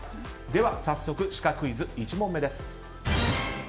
では早速シカクイズ１問目です。